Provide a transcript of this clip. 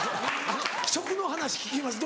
食の話聞きます